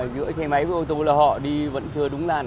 giữa xe máy với ô tô là họ đi vẫn chưa đúng làn